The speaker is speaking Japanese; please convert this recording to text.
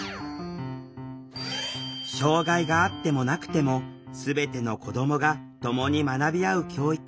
障害があってもなくても全ての子どもがともに学び合う教育。